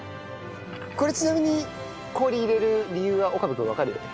これちなみに氷入れる理由は岡部君わかるよね？